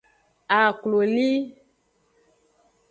Akloli.